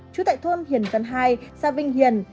chú tại thôn hiền văn hai xã vinh hiền